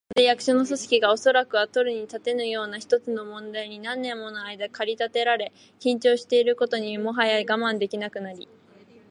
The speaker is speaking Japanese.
まるで、役所の組織が、おそらくは取るにたらぬような一つの問題に何年ものあいだ駆り立てられ、緊張していることにもはや我慢できなくなり、